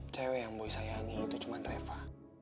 cewek yang boy sayangnya itu cuma reva